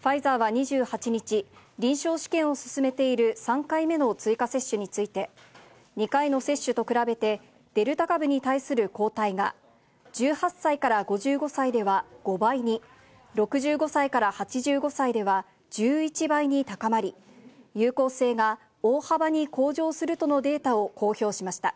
ファイザーは２８日、臨床試験を進めている３回目の追加接種について、２回の接種と比べて、デルタ株に対する抗体が、１８歳から５５歳では５倍に、６５歳から８５歳では１１倍に高まり、有効性が大幅に向上するとのデータを公表しました。